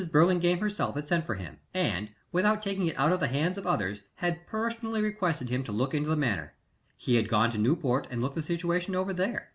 Burlingame herself had sent for him, and, without taking it out of the hands of others, had personally requested him to look into the matter. He had gone to Newport and looked the situation over there.